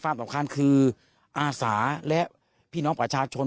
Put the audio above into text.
สำคัญคืออาสาและพี่น้องประชาชน